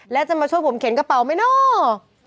แล้วจะมาช่วยผมเข็นกระเป๋าไหมเนาะ